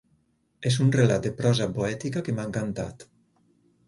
És un relat de prosa poètica que m'ha encantat.